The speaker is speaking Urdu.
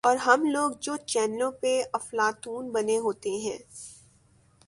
اورہم لوگ جو چینلوں پہ افلاطون بنے ہوتے ہیں۔